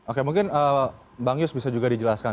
oke mungkin bang yus bisa juga dijelaskan